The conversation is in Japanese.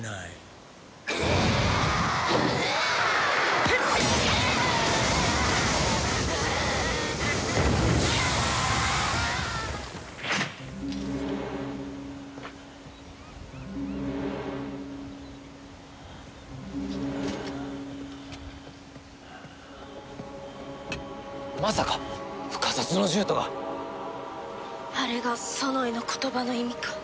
あれがソノイの言葉の意味か？